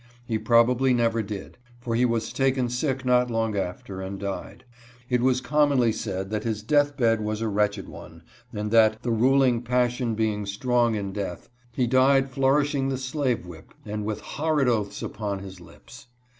He probably never did, for he was taken sick not long after and died. It was commonly said that his death bed was a wretched one, and that, the ruling passion being strong in death, he died flourishing the slave whip and with horrid oaths upon his lips.